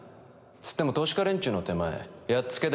つっても投資家連中の手前やっつけでもいいから